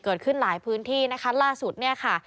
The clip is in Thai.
เกิดขึ้นหลายพื้นที่นะคะล่าสุดเนี่ยค่ะ